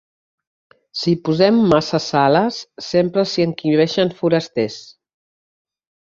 Si hi posem masses sales sempre s'hi enquibeixen forasters